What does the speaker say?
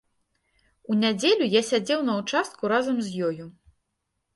У нядзелю я сядзеў на ўчастку разам з ёю.